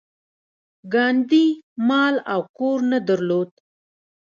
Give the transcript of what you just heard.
ګاندي مال او کور نه درلود.